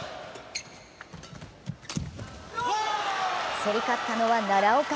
競り勝ったのは奈良岡。